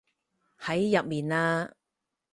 喺入面嘞